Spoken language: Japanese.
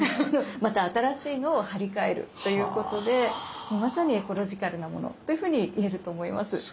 また新しいのを貼り替えるということでまさにエコロジカルなものというふうに言えると思います。